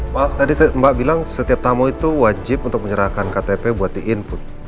pak tadi mbak bilang setiap tamu itu wajib untuk menyerahkan ktp buat di input